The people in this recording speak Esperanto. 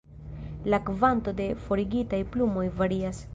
La kvanto de forigitaj plumoj varias.